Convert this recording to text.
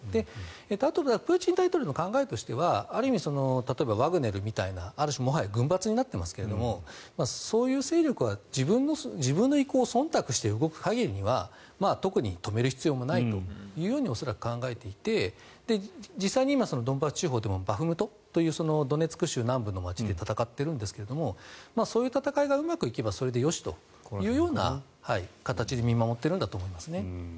あとはプーチン大統領の考えとしてはある意味例えばワグネルみたいなある種、軍閥になってますがそういう勢力は自分の意向をそんたくして動く限りは特に止める必要はないと恐らく考えていて実際に今、ドンバス地方でもバフムトというドネツク州南部の街で戦っているんですがそういう戦いがうまくいけばそれでよしというような形で見守っているんだと思いますね。